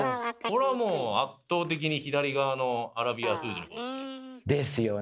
これはもう圧倒的に左側のアラビア数字のほうですね。ですよね。